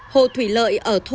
hồ thủy lợi ở thu